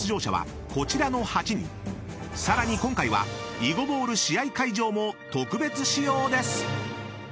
［さらに今回は囲碁ボール試合会場も特別仕様です］